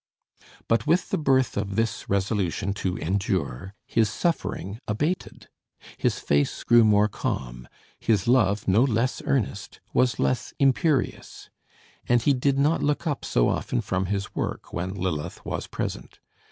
But with the birth of this resolution to endure, his suffering abated; his face grew more calm; his love, no less earnest, was less imperious; and he did not look up so often from his work when Lilith was present.